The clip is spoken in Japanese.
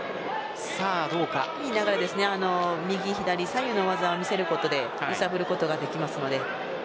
左右の技を見せることで揺さぶることができますので。